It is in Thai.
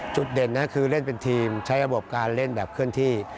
จุดเด่นนะคือเล่นเป็นทีมใช้ระบบการเล่นแบบเคลื่อนที่